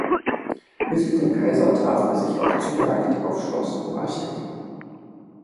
Mit dem Kaiser traf er sich auch zur Jagd auf Schloss Marchegg.